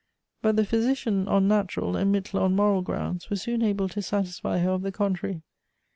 But the physician on natural, and Mittler on moral grounds, were soon able to satisfy her of the contrary.